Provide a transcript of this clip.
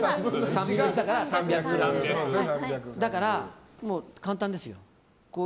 だから、簡単ですよ。